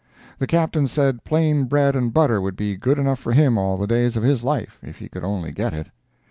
The Captain said plain bread and butter would be good enough for him all the days of his life, if he could only get it.